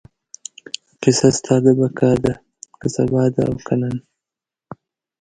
کیسه ستا د بقا ده، که سبا ده او که نن